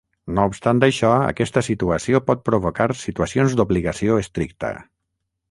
No obstant això, aquesta situació pot provocar situacions d'obligació estricta.